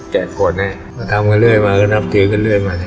กฎให้มาทำกันเรื่อยมาก็นับถือกันเรื่อยมา